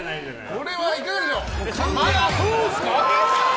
これはいかがでしょう。